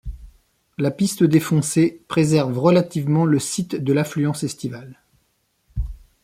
La piste défoncée, préserve relativement le site de l’affluence estivale.